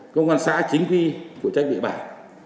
công an xã chính quy của trách vệ bản